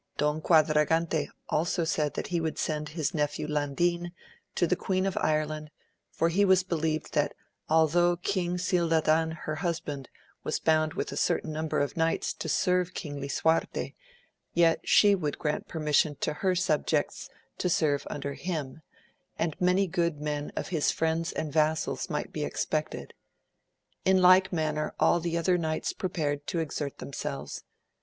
Don Quadragante also said that he would send his nephew Landin, to the queen of Ireland, for he be lieved that altho' King Cildadan her husband was bound with a certain number of knights to serve King Lisuarte, yet she would grant permission to her sub jects to serve under him, and many good men of his friends and vassals might be expected. In like manner all the other knights prepared to exert themselves.